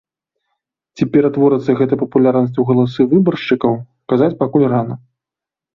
Ці ператворыцца гэтая папулярнасць у галасы выбаршчыкаў казаць пакуль рана.